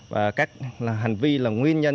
và các hành vi là nguyên nhân